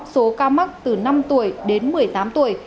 số ca mắc từ năm tuổi đến một mươi tám tuổi